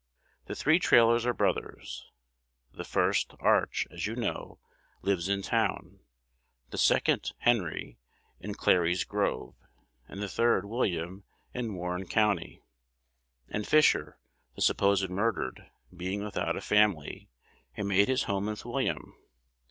The three Trailors are brothers: the first, Arch., as you know, lives in town; the second, Henry, in Clary's Grove; and the third, William, in Warren County; and Fisher, the supposed murdered, being without a family, had made his home with William.